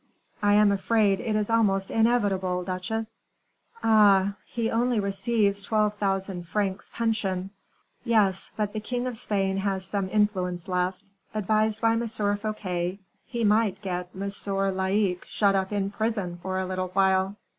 "I am afraid it is almost inevitable, duchesse." "Oh! he only receives twelve thousand francs pension." "Yes, but the king of Spain has some influence left; advised by M. Fouquet, he might get M. Laicques shut up in prison for a little while."